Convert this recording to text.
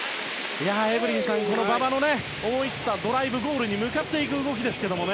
エブリンさん馬場の思い切ったドライブゴールに向かっていく動きですね。